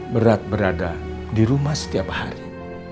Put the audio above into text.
berat berada di rumah setiap hari